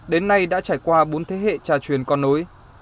đến nay đã trải qua bốn thế hệ trà truyền con nối